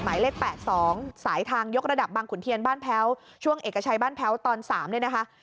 หมายเลข๘๒สายทางยกระดับบางขุนเทียนบ้านแพ้วช่วงเอกชัยบ้านแพ้วตอน๓เนี่ยนะคะ